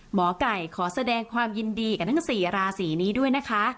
หมอไก่ขอแสดงความยินดีกับทั้ง๔ราศีนี้ด้วยนะคะ